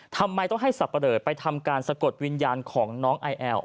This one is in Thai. ทำไมต้องให้สับปะเลอไปทำการสะกดวิญญาณของน้องไอแอล